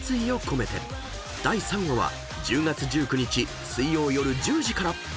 ［第３話は１０月１９日水曜夜１０時から］